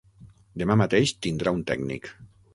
Demà mateix tindrà un tècnic.